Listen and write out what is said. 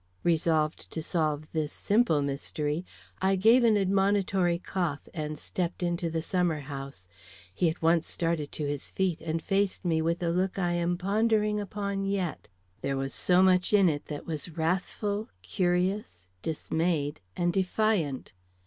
Resolved to solve this simple mystery, I gave an admonitory cough, and stepped into the summer house. He at once started to his feet, and faced me with a look I am pondering upon yet, there was so much in it that was wrathful, curious, dismayed, and defiant.